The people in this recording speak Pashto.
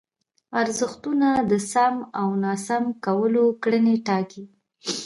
ارزښتونه د سم او ناسم کولو کړنې ټاکي.